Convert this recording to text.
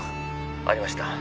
ありました